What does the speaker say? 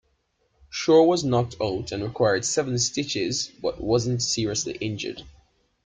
Shore was knocked out and required seven stitches but wasn't seriously injured.